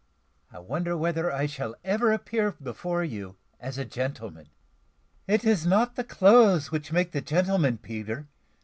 I wonder wether I shall ever appear before you as a gentleman." "It is not the clothes which make the gentleman, Peter.